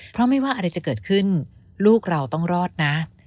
เพราะไม่ว่าอะไรจะเกิดขึ้นลูกเราต้องรอดนะ